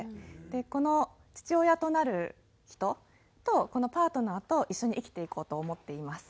でこの父親となる人とこのパートナーと一緒に生きていこうと思っています。